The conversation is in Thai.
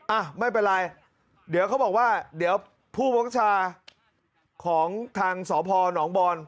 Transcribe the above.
อ่ะไม่เป็นไรเดี๋ยวเขาบอกว่าเดี๋ยวผู้บังคับชาของทางสพหนองบอล